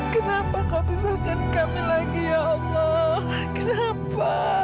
kenapa kau pisahkan kami lagi ya allah kenapa